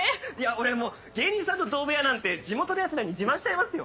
俺もう芸人さんと同部屋なんて地元のヤツらに自慢しちゃいますよ。